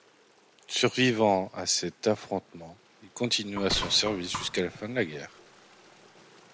Survivant à cet affrontement, il continua son service jusqu'à la fin de la guerre.